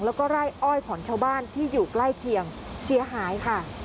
แล้วก็ไร่อ้อยของชาวบ้านที่อยู่ใกล้เคียงเสียหายค่ะ